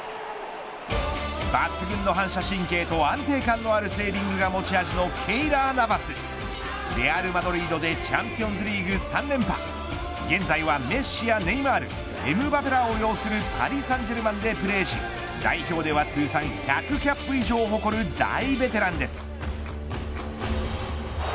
抜群の反射神経と安定感のあるセービングが持ち味のケイラー・ナヴァスレアル・マドリードでチャンピオンズリーグ３連覇現在はメッシやネイマールエムバペらを擁するパリ・サンジェルマンでプレーし代表では通算１００キャップ以上を誇る大ベテランです。